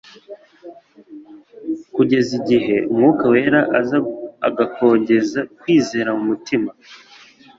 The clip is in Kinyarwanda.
kugeza igihe Umwuka wera aza agakongeza kwizera mu mutima.